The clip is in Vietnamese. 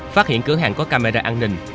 phát hiện cửa hàng có camera an ninh